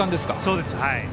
そうです。